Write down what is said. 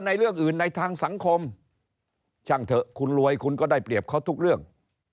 ในทุกเรื่อง